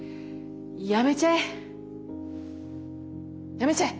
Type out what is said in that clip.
やめちゃえ。